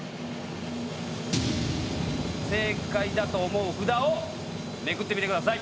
正解だと思う札をめくってみてください。